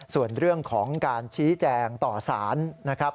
ส่วนเรื่องของการชี้แจงต่อสารนะครับ